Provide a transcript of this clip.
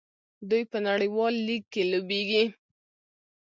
دوی په نړیوال لیګ کې لوبېږي.